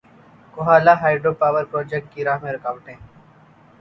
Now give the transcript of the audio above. Kohala hydro power project کی راہ میں رکاوٹیں